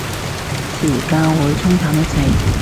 時間會沖淡一切